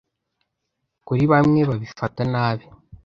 Kuri bamwe babifata nabi